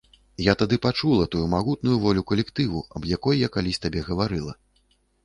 Я тады пачула тую магутную волю калектыву, аб якой я калісь табе гаварыла.